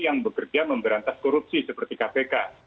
yang bekerja memberantas korupsi seperti kpk